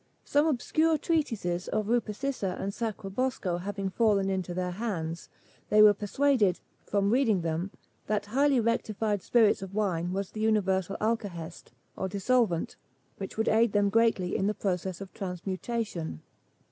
Some obscure treatises of Rupecissa and Sacrobosco having fallen into their hands, they were persuaded, from reading them, that highly rectified spirits of wine was the universal alkahest, or dissolvent, which would aid them greatly in the process of transmutation.